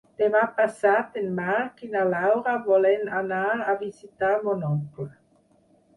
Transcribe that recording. Demà passat en Marc i na Laura volen anar a visitar mon oncle.